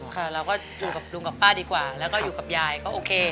ค่ะเราก็อยู่กับลุงกับป้าดีกว่าแล้วก็อยู่กับยายก็โอเค